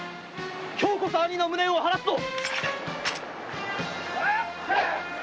今日こそ兄の無念を晴らすぞ